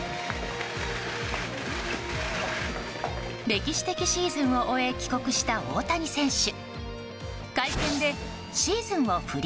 歴史的シーズンを終え帰国した大谷選手。